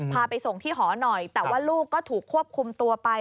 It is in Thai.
พาไปส่งที่หอหน่อยแต่ว่าลูกก็ถูกควบคุมตัวไป